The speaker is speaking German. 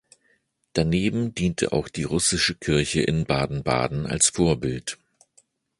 Daneben diente auch die russische Kirche in Baden-Baden als Vorbild.